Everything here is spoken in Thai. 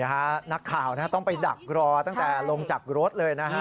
นักข่าวต้องไปดักรอตั้งแต่ลงจากรถเลยนะฮะ